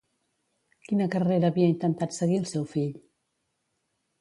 Quina carrera havia intentat seguir el seu fill?